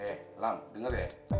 eh lang denger ya